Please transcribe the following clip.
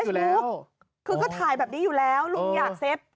คือก็ถ่ายแบบนี้อยู่แล้วลุงอยากเซฟ